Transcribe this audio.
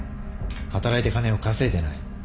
働いて金を稼いでない。